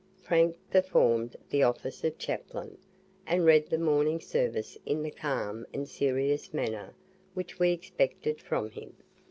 Frank performed the office of chaplain, and read the morning service in the calm and serious manner which we expected from him.